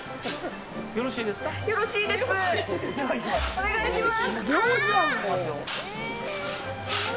お願いします。